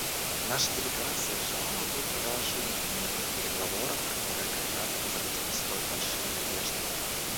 Наша делегация желала бы продолжения мирных переговоров, которые когдато возродили столь большие надежды.